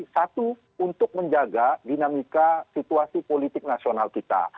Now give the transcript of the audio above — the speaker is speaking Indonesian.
satu untuk menjaga dinamika situasi politik nasional kita